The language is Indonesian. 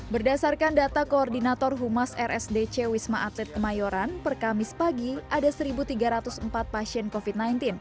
berdasarkan data koordinator humas rsdc wisma atlet kemayoran perkamis pagi ada satu tiga ratus empat pasien covid sembilan belas